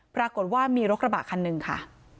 ปรากฏว่ามีรถกระบะคันหนึ่งค่ะ